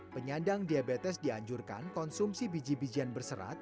penyandang diabetes dianjurkan konsumsi biji bijian berserat